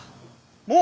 もう！？